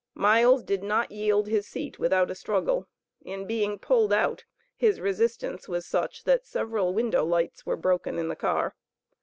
Miles did not yield his seat without a struggle. In being pulled out his resistance was such that several window lights were broken in the car.